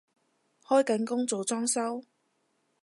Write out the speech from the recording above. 開緊工做裝修？